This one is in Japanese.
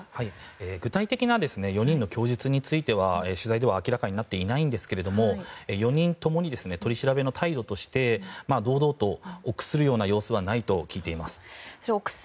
具体的な４人の供述については取材では明らかになっていないんですが４人共に取り調べの態度として堂々と臆するような様子はないと聞いています。